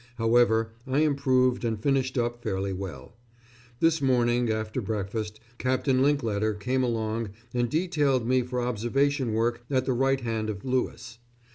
However, I improved and finished up fairly well. This morning, after breakfast, Captain Linklater came along and detailed me for observation work at the right hand of Lewis.